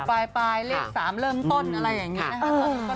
ปลายเลข๓เริ่มต้นอะไรอย่างนี้นะคะ